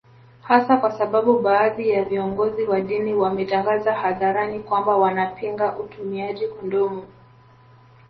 Hasa kwa sababu baadhi ya viongozi wa dini wametangaza hadharani kwamba wanapinga utumiaji kondomu